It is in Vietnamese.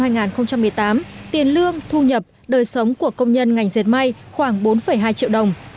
năm hai nghìn một mươi tám tiền lương thu nhập đời sống của công nhân ngành dệt may khoảng bốn hai triệu đồng